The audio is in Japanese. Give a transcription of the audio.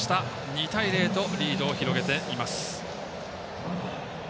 ２対０とリードを広げています。